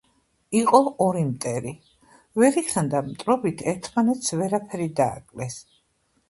იყო ორი მტერი. ვერ იქნა და მტრობით ერთმანეთს ვერაფერი დააკლეს.